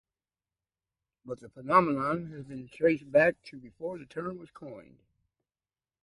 But the phenomenon has been traced back to before the term was coined.